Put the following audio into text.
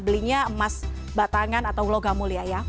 belinya emas batangan atau logamulia ya